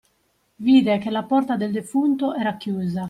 Vide che la porta del defunto era chiusa.